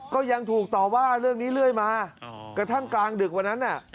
ก็ยังถูกต่อว่าเรื่องนี้เรื่อยมากระทั่งกลางดึกวันนั้นน่ะ